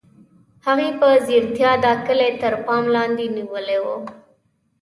هغې په ځیرتیا دا کلی تر پام لاندې نیولی و